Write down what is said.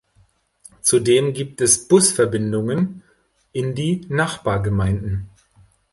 Zudem gibt es Busverbindungen in die Nachbargemeinden.